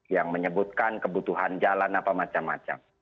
yang menyebutkan kebutuhan jalan apa macam macam